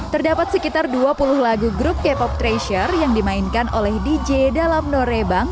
terdapat sekitar dua puluh lagu grup k pop treasure yang dimainkan oleh dj dalam norebang